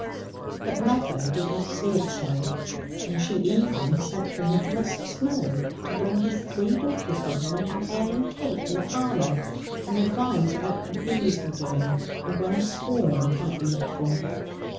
But mother did not see it so; and she even sent for Nicholas Snowe to bring his three daughters with him, and have ale and cake in the parlour, and advise about what the bees were doing, and when a swarm might be looked for.